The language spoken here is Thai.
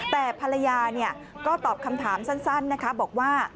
แต่ภรรยาก็ตอบคำถามสั้นนะคะบอกว่า